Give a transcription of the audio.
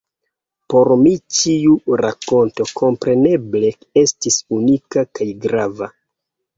Por mi ĉiu rakonto kompreneble estis unika kaj grava.